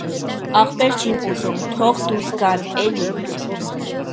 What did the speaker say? Ախպեր, չիմ ուզում, թող դուս գան է՛լի: